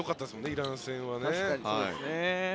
イラン戦はね。